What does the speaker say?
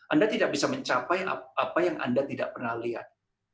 anda tidak bisa mencapai apa yang anda tidak pernah lihat